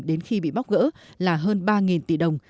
đến khi bị bóc gỡ là hơn ba tỷ đồng